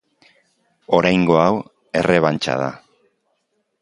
Oraingo hau errebantxa da.